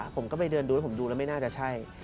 ผมก็ไปเดินดูแล้วผมดูแล้วไม่น่าจะใช่